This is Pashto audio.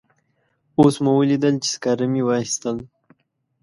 اوس مو ولیدل چې سکاره مې واخیستل.